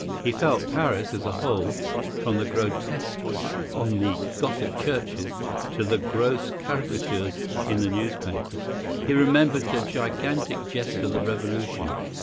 He felt Paris as a whole, from the grotesques on the Gothic churches to the gross caricatures in the newspapers. He remembered the gigantic jests of the Revolution.